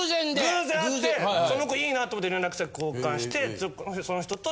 偶然会ってその子いいなと思って連絡先交換して。